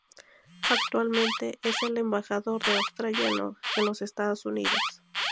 Actualmente es el embajador de Australia en los Estados Unidos.